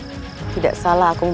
sedih akan diputuskan